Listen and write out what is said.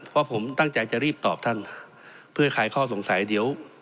เพราะผมตั้งใจจะรีบตอบท่านเพื่อคลายข้อสงสัยเดี๋ยว